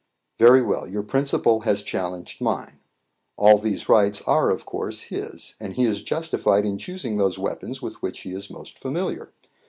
"Very well. Your principal has challenged mine. All these rights are of course his; and he is justified in choosing those weapons with which he is most familiar.